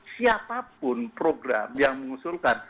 siapapun program yang mengusulkan